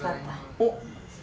おっ！